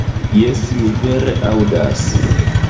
Jes, mi vere aŭdas!